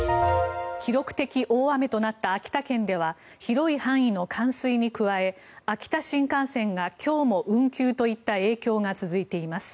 記録的大雨となった秋田県では広い範囲の冠水に加え秋田新幹線が今日も運休といった影響が続いています。